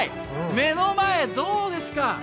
目の前、どうですか。